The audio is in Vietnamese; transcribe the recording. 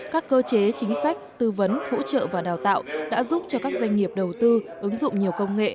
các cơ chế chính sách tư vấn hỗ trợ và đào tạo đã giúp cho các doanh nghiệp đầu tư ứng dụng nhiều công nghệ